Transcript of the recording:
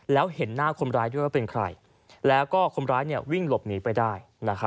แล้วเห็นหน้าคนร้ายด้วยว่าเป็นใครแล้วก็คนร้ายวิ่งหลบหนีไปได้